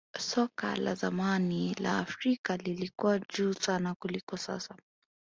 soka la zamani la afrika lilikuwa juu sana kuliko sasa